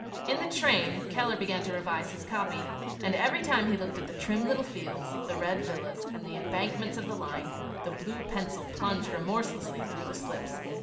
In the train Keller began to revise his copy, and every time that he looked at the trim little fields, the red villas, and the embankments of the line, the blue pencil plunged remorselessly through the slips.